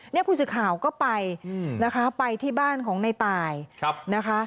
นี่ผู้สื่อข่าวก็ไปนะคะไปที่บ้านของในตายนะคะ